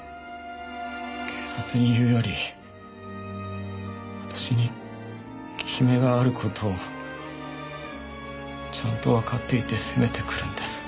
警察に言うより私に効き目がある事をちゃんとわかっていて攻めてくるんです。